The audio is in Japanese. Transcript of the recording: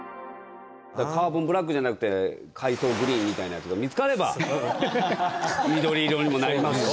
カーボンブラックじゃなくて海草グリーンみたいなやつが見つかれば緑色にもなりますし。